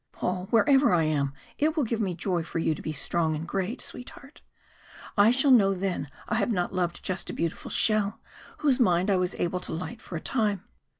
Paul, wherever I am, it will give me joy for you to be strong and great, sweetheart. I shall know then I have not loved just a beautiful shell, whose mind I was able to light for a time.